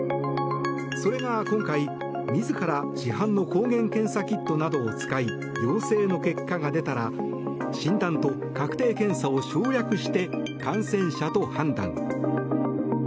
それが今回、自ら市販の抗原検査キットなどを使い陽性の結果が出たら診断と確定検査を省略して感染者と判断。